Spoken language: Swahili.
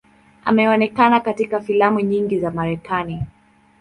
Ameonekana katika filamu nyingi za Marekani.